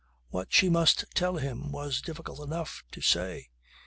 What she must tell him was difficult enough to say.